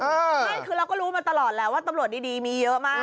ไม่คือเราก็รู้มาตลอดแล้วว่าตำรวจดีมีเยอะมาก